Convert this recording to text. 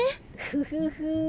フフフ。